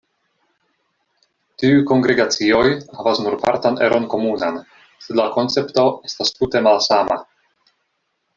Tiuj kongregacioj havas nur partan eron komunan, sed la koncepto estas tute malsama.